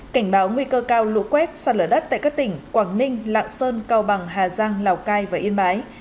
cảnh báo nguy cơ cao lũ quét sạt lở đất tại các tỉnh quảng ninh lạng sơn cao bằng hà giang lào cai và yên bái